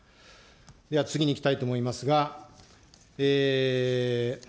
では次にいきたいと思いますが。